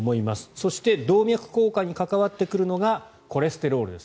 そして動脈硬化に関わってくるのがコレステロールです。